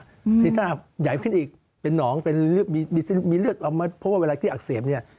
อันนี้ถ้าใหญ่ขึ้นอีกเป็นน้องมีเลือดเอามา